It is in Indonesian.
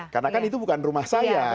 karena itu bukan rumah saya